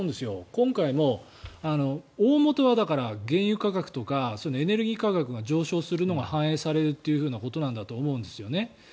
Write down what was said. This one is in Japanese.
今回も大本は原油価格とかエネルギー価格が上昇するのが反映されることだと思うんです。